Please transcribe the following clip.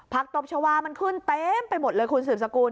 ตบชาวามันขึ้นเต็มไปหมดเลยคุณสืบสกุล